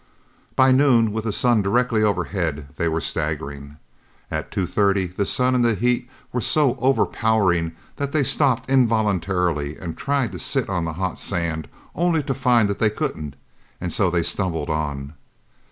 By noon, with the sun directly overhead, they were staggering. At two thirty the sun and the heat were so overpowering that they stopped involuntarily and tried to sit on the hot sand only to find that they couldn't and so they stumbled on.